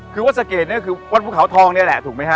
คือวัดสะเกดเนี่ยก็คือวัดภูเขาทองนี่แหละถูกไหมฮ